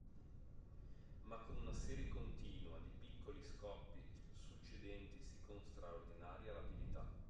Ma con una serie continua di piccoli scoppi succedentisi con straordinaria rapidità